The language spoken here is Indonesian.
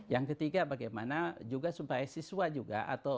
yang ketiga bagaimana juga supaya siswa juga atau